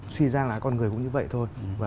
suy ra là con người cũng như vậy thôi